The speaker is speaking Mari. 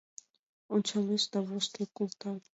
Ончалеш да воштыл колта: